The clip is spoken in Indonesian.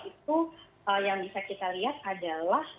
itu yang bisa kita lihat adalah